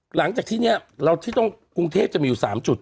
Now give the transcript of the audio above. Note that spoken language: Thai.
หลังจากที่เนี่ยเราที่ต้องกรุงเทพจะมีอยู่๓จุด